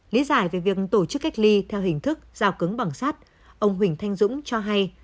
lý giải về việc tổ chức cách ly theo hình thức rào cứng bằng sát ông huỳnh thanh dũng cho hay